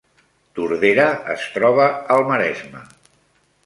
Tordera es troba al Maresme